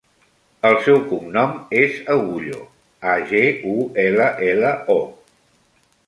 El seu cognom és Agullo: a, ge, u, ela, ela, o.